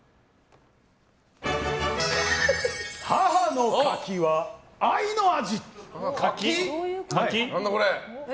母の柿は愛の味！